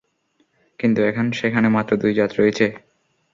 কিন্তু এখন সেখানে মাত্র দুই জাত রয়েছে।